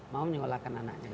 mau menyeolahkan anak juga